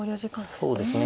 そうですね